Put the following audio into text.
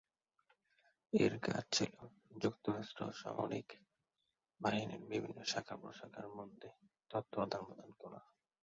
এর কাজ ছিলো যুক্তরাষ্ট্র সামরিক বাহিনীর বিভিন্ন শাখা-প্রশাখার মধ্যে তথ্য আদান-প্রদান করা।